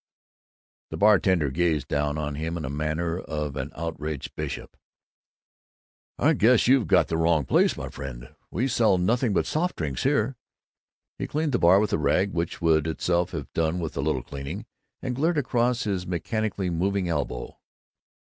The bartender gazed down on him in the manner of an outraged bishop. "I guess you got the wrong place, my friend. We sell nothing but soft drinks here." He cleaned the bar with a rag which would itself have done with a little cleaning, and glared across his mechanically moving elbow.